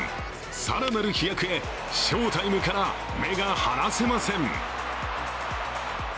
更なる飛躍へ翔タイムから目が離せません。